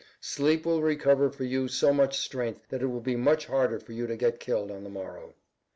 Sleep will recover for you so much strength that it will be much harder for you to get killed on the morrow."